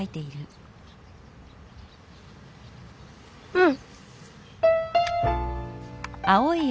うん。